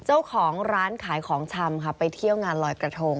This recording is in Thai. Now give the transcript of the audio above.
เจ้าของร้านขายของชำค่ะไปเที่ยวงานลอยกระทง